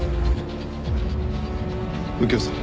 右京さん